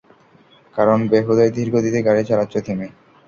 কারণ বেহুদাই ধীর গতিতে গাড়ি চালাচ্ছো তুমি।